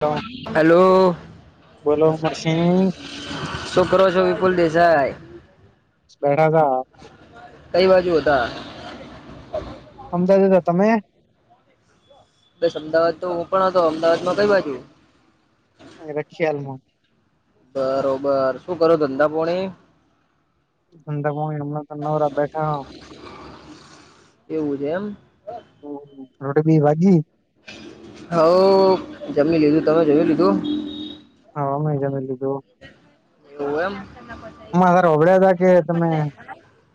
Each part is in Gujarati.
હલો હલો બોલો ઉમરસિંહ શોક્રો છો વિપુલ દેસાઈ બળગ કઈ બાજુ હતા અમદાદ દદા તમે બસ અમદાવાદ તો હું પણ હતો અમદાવાદ માં કઈ બાજુ રક્ષી આાલમો બરોબર શું કરો ધંધા પોણી ધંધા પાણી હમણાં તો નવરા બેઠા હો. કેવું છે એમ હ રોટ ભી વાજીી હ જમી લીધું તમે જયું લીધું હા મેજાનેલું તો એમ આમાં ત અભડ્યા હતાા કે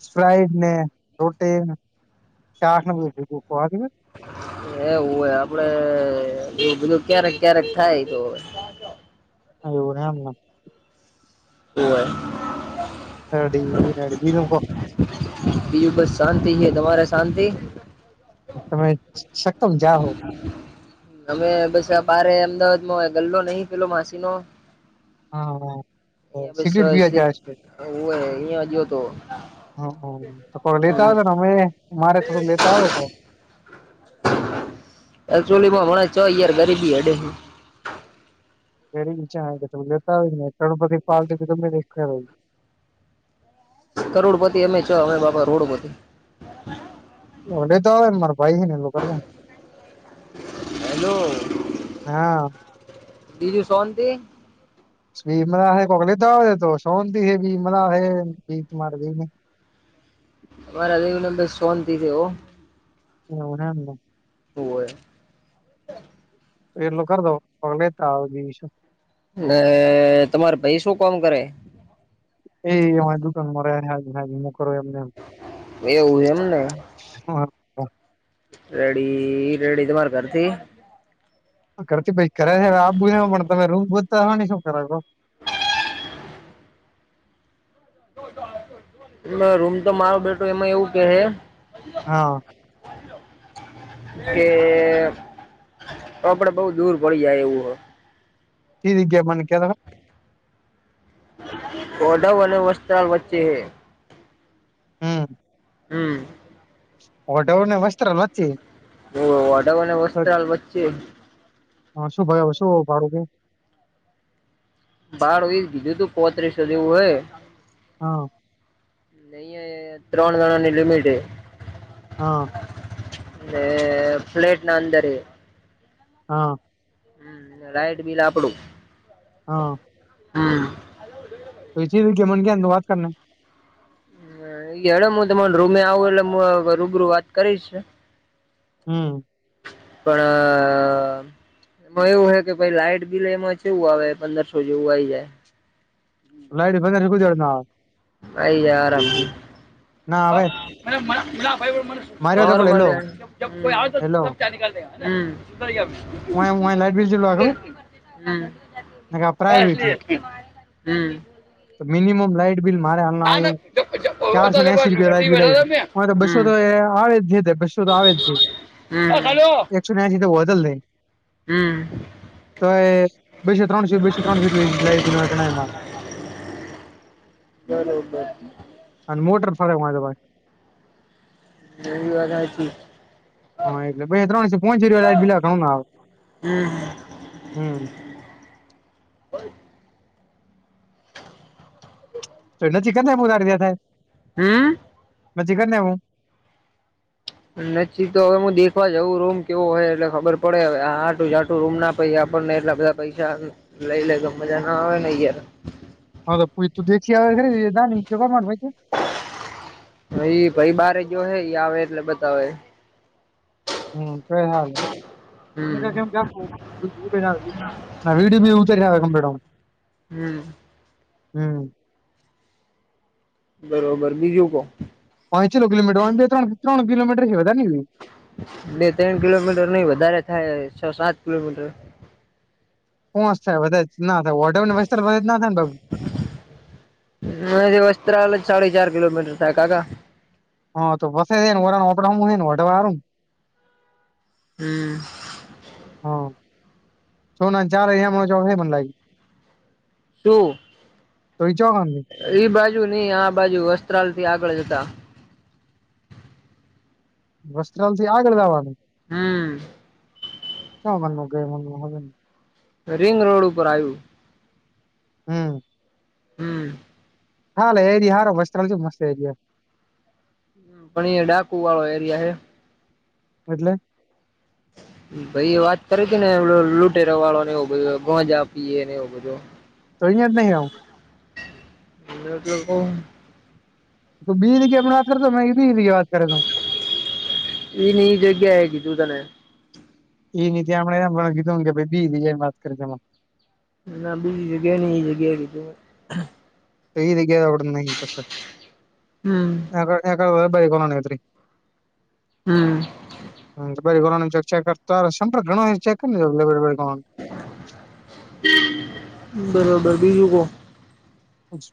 તમેડને રૂટી સાઠ નબ કહ જ એવું હોય આપડે એું બધું ક્યારેક ક્યારેક થાય તો હવે હ એવુંને એમ ના ઓર અડી રાડી બી નમકો બીું બસ શાંતિ છે તમારે શાંતિ તમે શકમ જા હો અમે બસ આ ભારે અમદાવાદમાં ગલ્લો નહી પેલો માસી નો હા હા અહિયાં સિગરેટ પીવા ગયા છે જ હતો હ તો કો લેતા આવજો ને અમે મારે થોડુંક લેતા આવજો કક એચોલી માં મને છ યાર ગરીબી હડે એરી બચા ત લેતા હોય ને કરોડપતિ પાલ્ટી તમે દેખ્યા ભાઈ કરોડપતિ અમે છો અમે બાપા રોડપતિ ઓલે તો આવે માર ભાઈ હને એ લોકો કરને હેલો ને હા બીજું સોંતી ભીમ ના હ કોકલી તો આવે તો સંતિ હ ભીમ હે ભી મા ભી અરા હ નબર શોંતિ છે એવો એવું એમને હોવે તો એટ લો કર દો તો લેતા આવે બીજું શું ને તમારે ભાઈ શું કામ કરે? એ અમા દુકાનમાં યાજ મો કરો એમને એવું છે એમને હા રેડી રેડી તમારે ઘરતી કરતી ભ કરે છે હવે આ બુ પણ તમે રૂમ બોતા હોવા શું કરાવો ના રૂમ તો મારો બેટો એમાં એવું કેહે હા કે તો આપડે બઉુ દૂર પડી જાય એવું હો કી જગ્યાએ મને કહેતા હતા ઓડવ અને વસ્ત્રાલ વચ્ચે હ હમ હમ ઓઢવ ને વસ્ત્રાલ વ ઓ ઓડવ અને વસ્ત્રાલ વચ્ચે હા શું ભાઈ હવે શું ભાડું ભાડુ ઈજ બીજું તું પોત્રીસો જેવું હે હા અહીયા યે ત્રણ જણાની લિમિટ હે હા અને ફ્લેટ ના અંદર હે હા ને લાઈટ બીલ આપડું હા હા તો એ ચીન કે મન કે વાત કરને હડે હું તમાર રૂમે આવું એટલે હું રૂબરૂ વાત કરીશ હમ પણ એમાં એવું હ કે ભાઈ લાઈટ બિલ એમાં કેવું આવે પંદરસો જેવું આઈ જાય [inaudible] ભ બનેર શીું એ ન ના ભાઈ યારમ ના આવે ભાઈ મને માર્યો તો પણ હેલો જ કોઈ આવ હેલો તબ ક્યા નિકાલ દ હું લાઈટ બિલ જેટલું આવે ખબર હમ ને પ્રાઇવેટ છે [unintelligible] હમ તો મિનિમમ લાઈટ બીલ મારે હામના ના ના આયવુ જબ- જબ- ઓ તો ચારસો ને જબર એસી રૂપિયા ઘંટી લાઇટબીલ બેઠા આયવુ હતા મેં એમાતો બસો હમ તો આવે છે. સુધ આવે જ છે હ હલો એકસો એસી તો બદલ હમ હવે બેસો ત્રણસો બેસો ત્રણસો એટલુ લાઈટ બિલ માં ગણાયા કરે બલો અને મોટર ફરે મારે દવી વાગાયથી હા એટલે ત્રણસે ફોન બિલા ઘણું ના આવે હમ હમ [inaudible] હમ મજી કરીને હું નચી તો હવે હું દેખવા જવું રૂમ કેવો હોય એટલે ખબર પડે હવે આ આટું ઝાટું રૂમ ના પઈ આપણને એટલા બધા પૈસા લઈ લે ગ મજા ના આવે નહીં યાર [unintelligible] ઈ ભાઈ બારે ગયો હે ઈ આવે એટલે બતાવે હમ ક હાલ હમ [unintelligible] વિડીયો બી ઉતારીને આવે કમ્પલેટ આમ હમ હમ બરોબર બીજુ બો પાચેલો કિલોમીટર તણ ત્રણ કિલોમીટર છે વધારે ન ઈ થાય બે ત્રણ કિલોમીટર નહીં વધારે થાય છ સાત કિલોમીટર પોચ થાય બધા જ ના થાય ઓડવ ની વધ જ ના થાયને બા હ વસ્ત્રાલ જ સાડી ચાર કિલોમીટર થાય કાકા હા તો [unintelligible] હમ્મ. હા સોના ચાર હયા જોબ હે લાગ ટું તઈ ચખ એઈ બાજુ નઈ આ બાજુ વસ્ત્રાલ થી આગળ જતા વસ્ત્રાલ થી આગળ લવાનું હમ્મ. શ મનમાં ગય મન હવે ને રિંગ રોડ ઉપર આવ્યું હમ હમ હાાલ એરિયા હાર મસ્ત ચાલ છે મસ્ત એરિયા પણ એ ડાકુ વાળો એરિયાે એટલે હમ ભાઈ વાત કરે છે ને એ લૂટેરાવાળો ને એવો બધ ગોંજા આપીએ ને એવું બધું તોઈ જ નહી આવમ એટ તો બ બેી જગ્યા આપ પણ વાત કરતો મેં બી જગ્યા વાત કરે તો એની જગ્યા હે ગી દું તને એ નની આપમણે એમ કીધું કે ભ બી બીજાની વાત કરીમાં ના બીજી જગ્યાએ ન એ જગ્યાએ કીધું એ ગયાડ ન પછ હમ્મ એ એરી કોલ ન ત હમ્મ હમ્મ બ ગણ ચક સં ગણ [unintelligible] બરોબર બીજું કો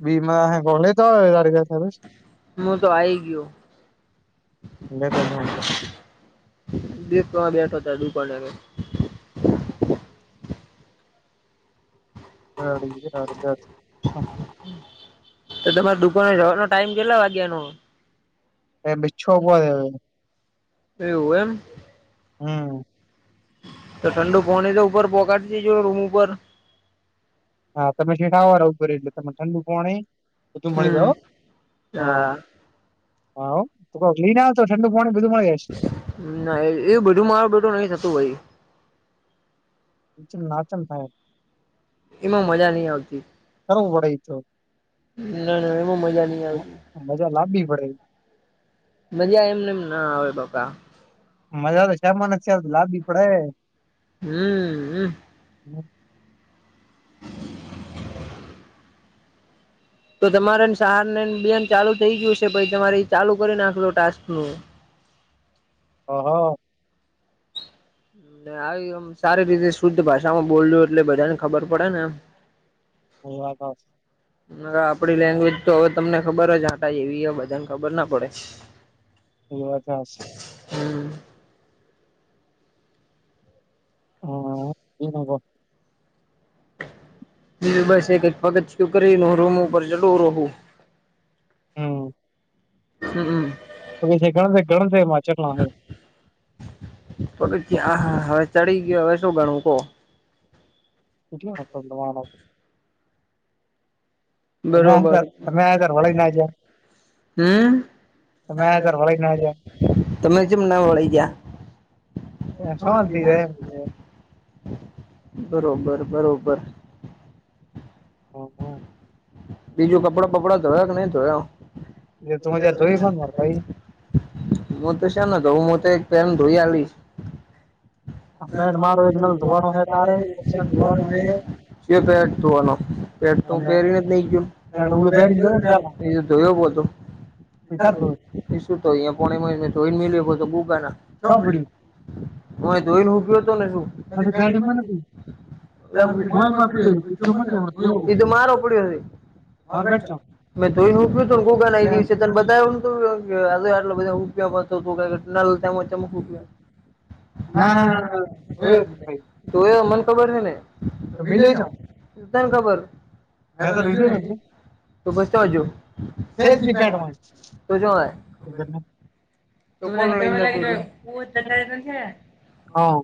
બી ગલે તો હું તો આઈ ગયો. ગ ધનમ દપમાં બેઠો ત દુપને અ અ અ જ તો તમારે દુકાનો જવાનો ટાઈમ કેટલા વાગ્યાનો એ મી છ વગ એવું એમ હમ્મ તો ઠંડુ પણી તો ઉપર પોગાડી જ જો રૂમ ઉપર હા તમે છેઠાવાળ એટલે તમને ઠંડુ કોણ તોધું મળી હમ જાવ હ હા હા ઑ કોક લઈ ના તો ઠંડુ પાણી બધું મળી જશે ના એજ એવું બધું મારું બટું નહી થતું ભાઈ નીચ નાચન થાય એમાં મજા નઈ આવતી કરવું પડે ઈ તો ન ન એમાં મજા નઈ આવતી મ- મજા લાવવી પડે મજા એમને એમ ન આવે પપ્પા મજા તો શમાન છેાર લાભી પડે હમ્મ [unintelligible] તો તમારેને સહાર ને બેન ચાલુ થઈ ગયું છે પહિ તમારે ચાલુ કરી નાખજો ટાસ્ક નું હહ. આવીમ સારી રીતે શુદ્ધ ભાષામાં બોલું એટલે બધા ને ખબર પડે ને એમ એ વા તો આપડી લેંગ્વેજ તો હવે તમને ખબર જ આટા એવી હો બધાને ખબર ના પડે એ વાત હા [unintelligible] હા એન [unintelligible] એ બ બસ એક પગતું કરી રૂમ ઉપર ચલું રહું હમ્મ હમ્મ હમ્મ તો એ [unintelligible] ઘ ઘણામાં અચનાય પગત્યા હવે ચડી ગયો હવે શું ગણવું કહ એટલ [unintelligible] તમેર બરોબર તમે તાર વળ ના જયાર હમ્મ તમે [unintelligible] તમે કેમ ના વળી ગયા શાંતિ રે બરોબર બરોબર ઓહ બીજું કપડાં પપડા ધોયા કે નહી ધોયા એ તું જોઈ [unintelligible] હું તો શમનેતો હું તો એક બેેમ ધોઈ આવી ફ્રેન્ડ મારો [unintelligible] શ એક નલ ધોવાનો હે તારે એક શર્ટ ધોવાનું હે પે અને પેન્ટ ઓલું પહેરી જોય [unintelligible] એજું જોયો બોલતો સ્વીકારુ એ શું તો અહિયાયા પો જોઈને મિ તો બુકા ચોપડ્યું હું કિયો તો નથી પેડી માં નથી [unintelligible] એ મારે ઉપડી. બાર બેઠો મેં તો [unintelligible] નહી શે તન બતા ગ આટલો બધાયો [unintelligible] નલજમક ના ના ના હા ના જોયો જ ભાઈ તું એ મન ખબર હે ને. તો વિજય મિલે ના, જાવ કેમ ખબર મેં તો લીધું ને એટલે [unintelligible] તો પસ તોજુ એ જ દી પેન્ટમાં તો જોય. [unintelligible] હા.